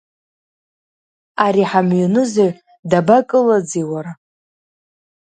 Ари ҳамҩанызаҩ дабакылаӡи, уара?